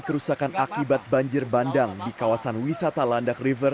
kerusakan akibat banjir bandang di kawasan wisata landak river dan wilayah jawa tenggara